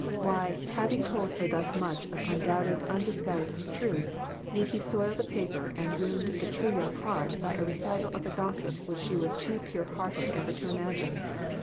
Why, having told her thus much of undoubted, undisguised truth, need he soil the paper and wound the true young heart by a recital of the gossip which she was too pure hearted ever to imagine